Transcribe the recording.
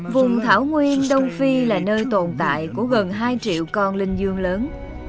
vùng thảo nguyên đông phi là nơi tồn tại của gần hai triệu con linh dương lớn